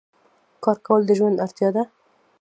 کار کول د ژوند اړتیا ده.